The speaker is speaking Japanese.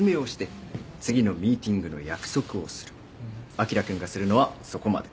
あきら君がするのはそこまで。